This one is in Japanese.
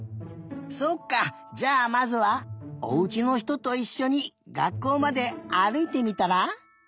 そっかじゃあまずはおうちのひとといっしょにがっこうまであるいてみたら？